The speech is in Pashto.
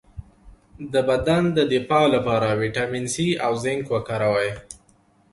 د بدن د دفاع لپاره ویټامین سي او زنک وکاروئ